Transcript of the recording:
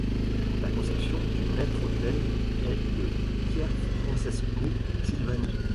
La conception du maître-autel est de Pier Francesco Silvani.